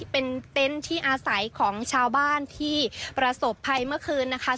เป็นเต็นต์ที่อาศัยของชาวบ้านที่ประสบภัยเมื่อคืนนะคะ